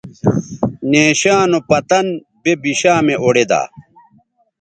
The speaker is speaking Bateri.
نیشاں نو پتن بے بشامےاوڑیدا